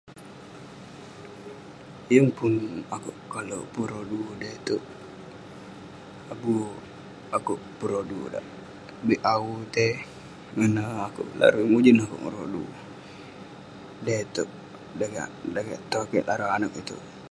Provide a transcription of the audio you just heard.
Yeng pun akouk kalek pun rodu da itouk..abu akouk pun rodu dak bik awu itei... Ineh akouk, larui mujen akouk ngan rodu dai itouk ..dan kik, tong kik larui anag itouk.